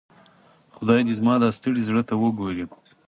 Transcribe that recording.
خدای دي زما دا ستړي زړۀ ته وګوري.